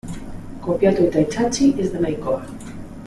Kopiatu eta itsatsi ez da nahikoa.